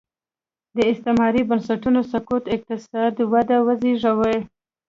د استعماري بنسټونو سقوط اقتصادي وده وزېږوي.